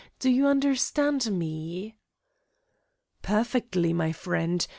Do you understand me?" "Perfectly, my friend.